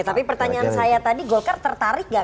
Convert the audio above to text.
oke tapi pertanyaan saya tadi golkar tertarik nggak